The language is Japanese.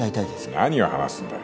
何を話すんだよ？